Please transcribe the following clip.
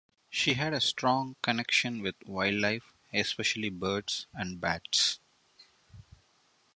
She had a strong connection with wildlife, especially birds and bats.